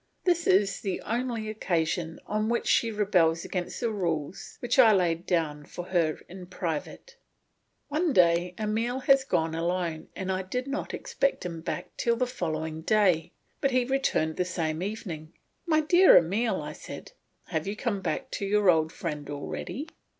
This is the only occasion on which she rebels against the rules which I laid down for her in private. One day Emile had gone alone and I did not expect him back till the following day, but he returned the same evening. "My dear Emile," said I, "have you come back to your old friend already?"